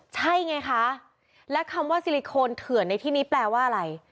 ใช่ไงคะและคำว่าซิลิโคนเถื่อนในที่นี้แปลว่าอะไร